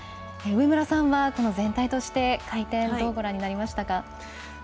上村さんは全体として回転、どうご覧になりましたか？